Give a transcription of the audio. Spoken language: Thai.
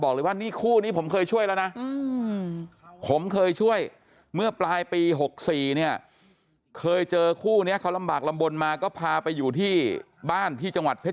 บอกเลยว่านี่คู่นี้ผมเคยช่วยแล้วนะผมเคยช่วยเมื่อปลายปี